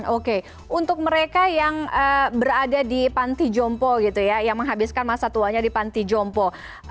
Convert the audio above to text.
oke untuk mereka yang berada di pantijompo yang menghabiskan masa tuanya di pantijompo